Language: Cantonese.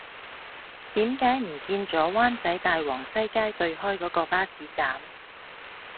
點解唔見左灣仔大王西街對開嗰個巴士站